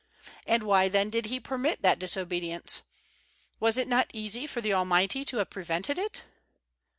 And why then did He permit that disobedience ? Was it not easy for the Almighty to have prevented it?"